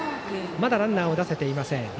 まだランナーを出せていません。